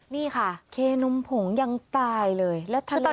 นี่ค่ะเคนมผงยังตายเลยแล้วทะเลทราย